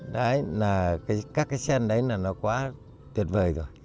đấy là các cái sen đấy là nó quá tuyệt vời rồi